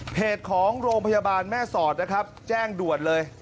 ของโรงพยาบาลแม่สอดนะครับแจ้งด่วนเลย